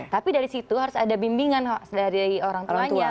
tapi dari situ harus ada bimbingan dari orang tuanya